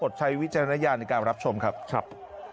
อดใช้วิจารณญาณในการรับชมครับ